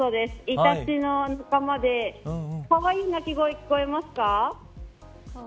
イタチの仲間でかわいい鳴き声、聞こえますか。